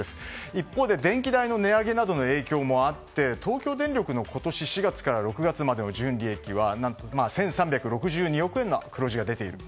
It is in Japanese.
一方で電気代の値上げなどの影響もあって東京電力の今年４月から６月までの純利益は１３６２億円の黒字が出ている。